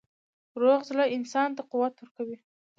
روغ زړه انسان ته قوت ورکوي.